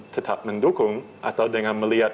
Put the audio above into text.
tetap mendukung atau dengan melihat